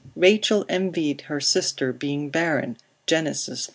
Rachel envied her sister, being barren, Gen. xxx.